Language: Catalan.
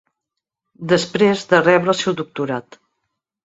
Després de rebre el seu doctorat.